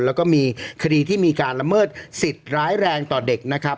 แล้วก็มีคดีที่มีการละเมิดสิทธิ์ร้ายแรงต่อเด็กนะครับ